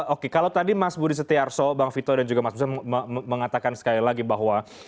oke kalau tadi mas budi setiarso bang vito dan juga mas bursa mengatakan sekali lagi bahwa